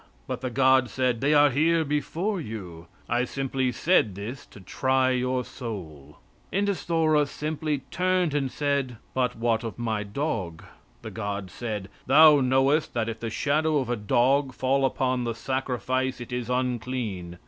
But the god said: "They are here before you; I simply said this to try your soul." Endesthora simply turned and said: "But what of my dog?" The god said, "Thou knowest that if the shadow of a dog fall upon the sacrifice, it is unclean.